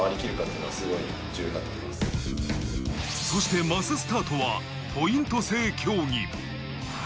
そしてマススタートはポイント制競技。